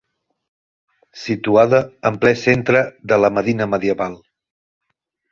Situada en ple centre de la medina medieval.